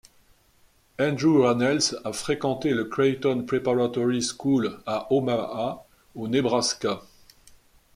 Andrew Rannells a fréquenté le Creighton Preparatory School à Omaha au Nebraska.